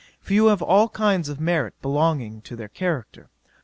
Few have all kinds of merit belonging to their character.